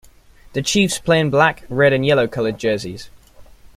The Chiefs play in black, red and yellow coloured jerseys.